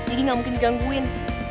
jadi gak mungkin digangguin